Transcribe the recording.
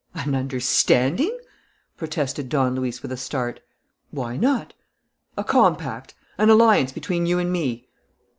"An understanding!" protested Don Luis with a start. "Why not?" "A compact! An alliance between you and me!"